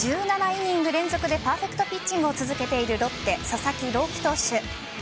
１７イニング連続でパーフェクトピッチングを続けているロッテ・佐々木朗希投手。